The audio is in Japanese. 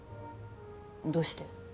どうして？